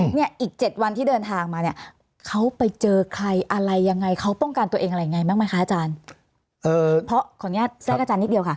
เนี่ยอีก๗วันที่เดินทางมาเนี่ยเขาไปเจอใครอะไรยังไงเขาป้องกันตัวเองอะไรยังไงแม่งไหมคะอาจารย์